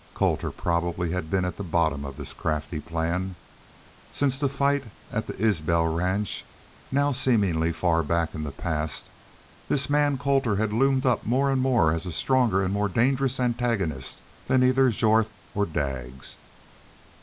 Colter probably had been at the bottom of this crafty plan. Since the fight at the Isbel ranch, now seemingly far back in the past, this man Colter had loomed up more and more as a stronger and more dangerous antagonist then either Jorth or Daggs.